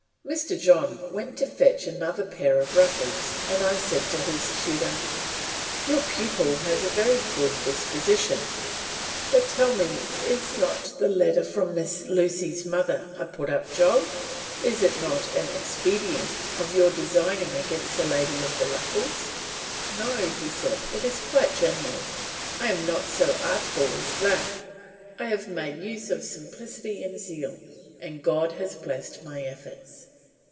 '" Mr. John went to fetch another pair of ruffles, and I said to his tutor: "Your pupil has a very good disposition; but tell me is not the letter from Miss Lucy's mother a put up job? Is it not an expedient of your designing against the lady of the ruffles?" "No," said he, "it is quite genuine; I am not so artful as that; I have made use of simplicity and zeal, and God has blessed my efforts."